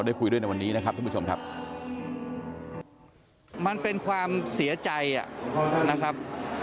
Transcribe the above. คุยด้วยในวันนี้นะครับท่านผู้ชมครับมันเป็นความเสียใจนะครับ